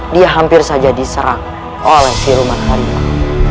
dia hampir saja diserang oleh siruman harimau